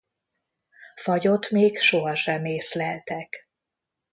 Fagyot még sohasem észleltek.